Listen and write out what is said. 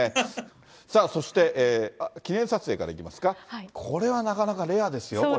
さあ、そして、記念撮影からいきますか、これはなかなか、レアですよ。